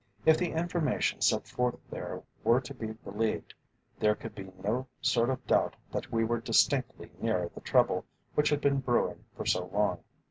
If the information set forth there were to be believed, there could be no sort of doubt that we were distinctly nearer the trouble which had been brewing for so long.